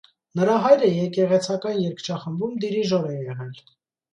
Նրա հայրը եկեղեցական երգչախմբում դիրիժոր է եղել։